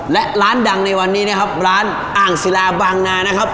และร้านดังในวันนี้นะครับร้านอ่างศิลาบางนานะครับ